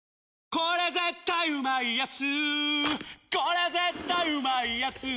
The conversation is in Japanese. これ絶対うまいやつ」